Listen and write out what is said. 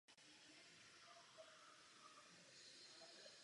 Otázku přistěhovalectví nevyřešíme tím, že budeme na všech frontách shovívaví.